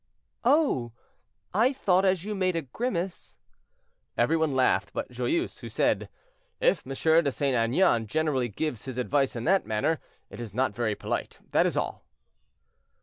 "Oh! I thought as you made a grimace—" Every one laughed but Joyeuse, who said, "If M. de St. Aignan generally gives his advice in that manner, it is not very polite, that is all."